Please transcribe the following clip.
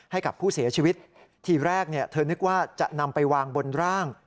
ให้กับผู้เสียชีวิตทีแรกเธอนึกว่าจะนำไปวางบนร่าง